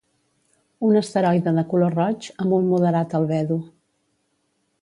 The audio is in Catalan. Un asteroide de color roig, amb un moderat albedo.